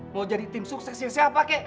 mau jadi tim suksesnya siapa kek